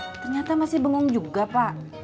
ternyata masih bengong juga pak